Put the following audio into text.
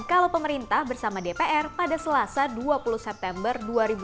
kalau pemerintah bersama dpr pada selasa dua puluh september dua ribu dua puluh